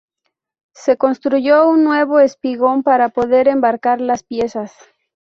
Se construyó un nuevo espigón para poder embarcar las piezas.